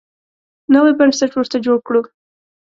نوی بنسټ ورته جوړ کړو.